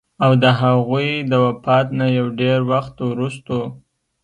او د هغوي د وفات نه يو ډېر وخت وروستو